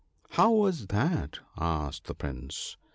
"" How was that ?" asked the Prince.